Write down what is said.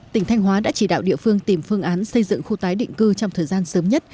tỉnh thanh hóa đã chỉ đạo địa phương tìm phương án xây dựng khu tái định cư trong thời gian sớm nhất